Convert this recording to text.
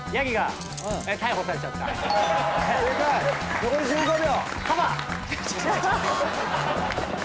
残り１５秒。